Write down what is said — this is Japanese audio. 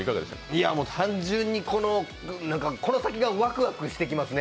単純にこの先がワクワクしてきますね。